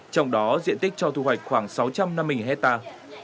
trong đó diện tích cho thu hoạch khoảng sáu trăm năm mươi hectare